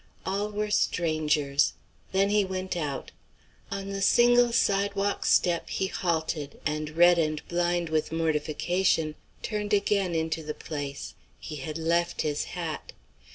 All were strangers. Then he went out. On the single sidewalk step he halted, and red and blind with mortification, turned again into the place; he had left his hat.